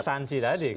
substansi tadi kan